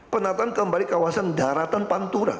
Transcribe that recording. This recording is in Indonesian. penataan kembali kawasan daratan pantura